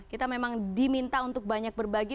kita memang diminta untuk banyak berbagi